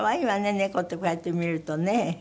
猫ってこうやって見るとね。